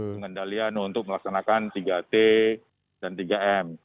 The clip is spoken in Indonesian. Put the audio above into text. pengendalian untuk melaksanakan tiga t dan tiga m